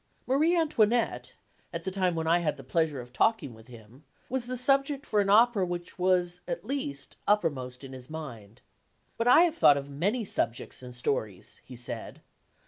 Marie Antoinette, at the time when I had the pleasure of talking with him, was the subject for an opera which was, at least, uppermost in his mind. "But I have thought of many subjects and stories," he said.